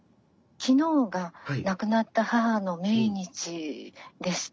昨日が亡くなった母の命日でして。